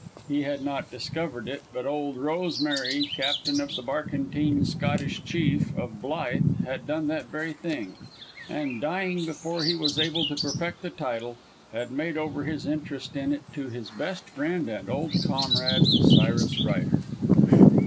He had not discovered it, but "Old Rosemary," captain of the barkentine Scottish Chief, of Blyth, had done that very thing, and, dying before he was able to perfect the title, had made over his interest in it to his best friend and old comrade, Cyrus Ryder.